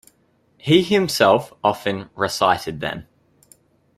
He himself often recited them.